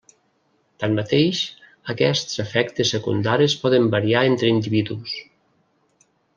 Tanmateix aquests efectes secundaris poden variar entre individus.